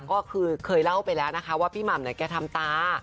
ก็คือเคยเล่าไปแล้วนะคะว่าพี่หม่ำเนี่ยแกทำตา